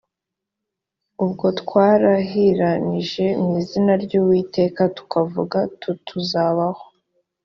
ubwo twarahiranije mu izina ry uwiteka tukavuga tuttuzabaho